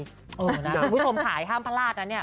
คุณผู้ชมขายห้ามพลาดนะเนี่ย